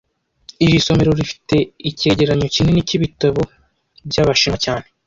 Iri somero rifite icyegeranyo kinini cyibitabo byabashinwa cyane